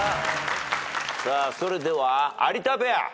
さあそれでは有田ペア。